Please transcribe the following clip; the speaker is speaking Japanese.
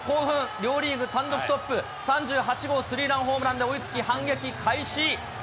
両リーグ単独トップ、３８号スリーランホームランで追いつき反撃開始。